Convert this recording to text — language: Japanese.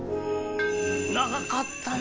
長かったな。